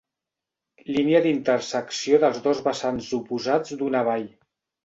Línia d'intersecció dels dos vessants oposats d'una vall.